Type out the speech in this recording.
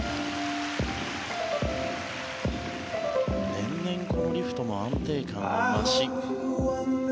年々、このリフトも安定感が増し。